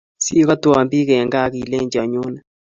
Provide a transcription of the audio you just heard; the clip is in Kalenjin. Sikatwan pik en kaa akileji anyone